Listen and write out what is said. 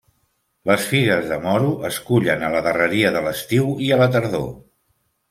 Les figues de moro es cullen a la darreria de l'estiu i a la tardor.